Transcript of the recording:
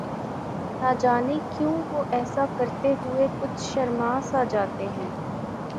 نہ جانے کیوں وہ ایسا کرتے ہوئے کچھ شرماسا جاتے ہیں